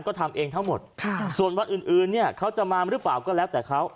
ก็ทำเองทั้งหมดส่วนวันอื่นเนี่ยเขาจะมาหรือเปล่าก็แล้วแต่เขา